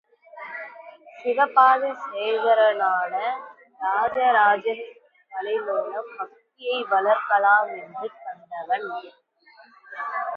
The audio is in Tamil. சிவபாத சேகரனான ராஜராஜன் கலை மூலம் பக்தியை வளர்க்கலாம் என்று கண்டவன்.